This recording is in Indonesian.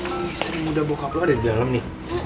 istri muda bokap lo ada di dalam nih